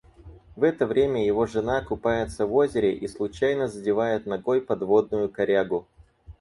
В это время его жена купается в озере и случайно задевает ногой подводную корягу.